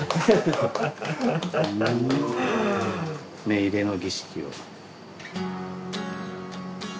目入れの儀式を。